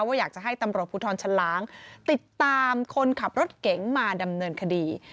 ว่าอยากจะให้ตำรวจภูทรชะล้างติดตามคนขับรถเก๋งมาดำเนินคดี